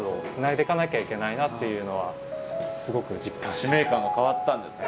使命感が変わったんですね。